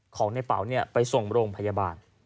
ของในเป๋าไปส่งโรงพยาบาล